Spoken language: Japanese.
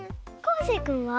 こうせいくんは？